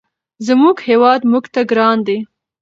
زموږ هېواد موږ ته ګران دی.